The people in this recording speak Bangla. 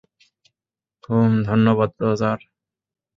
হুমম ধন্যবাদ রজার!